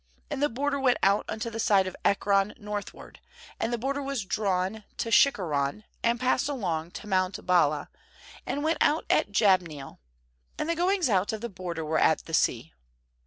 nAnd the border went out unto the side of Ekron northward; and the border was drawn to Shikkeron, and passed along to mount Baalah, and went out at Jabneel; and the goings out of the border were at the sea.